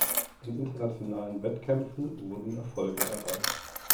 In internationalen Wettkämpfen wurden Erfolge erreicht.